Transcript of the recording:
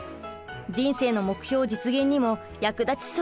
人生の目標実現にも役立ちそう！